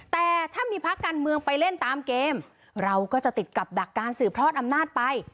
แต่ถ้ามีพักการเมืองไปเล่นตามเกมเราก็จะติดกับดักการสืบทอดอำนาจไป